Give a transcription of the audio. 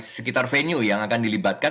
sekitar venue yang akan dilibatkan